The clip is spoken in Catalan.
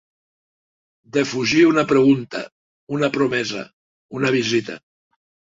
Defugir una pregunta, una promesa, una visita.